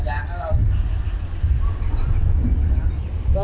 đầu tên chiều